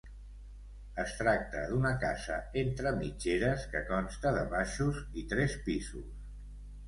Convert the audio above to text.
Es tracta d'una casa entre mitgeres que consta de baixos i tres pisos.